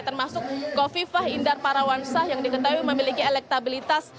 termasuk kofifah indar parawansa yang diketahui memiliki elektabilitas